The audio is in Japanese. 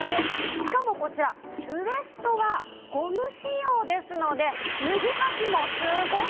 しかもこちらウエストはゴム仕様ですので脱ぎはきもすごくラクラクなんです。